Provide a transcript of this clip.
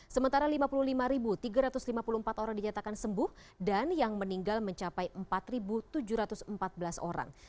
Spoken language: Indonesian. sementara lima puluh lima tiga ratus lima puluh empat orang dinyatakan sembuh dan yang meninggal mencapai empat tujuh ratus empat belas orang